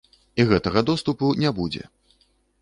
І гэтага доступу не будзе.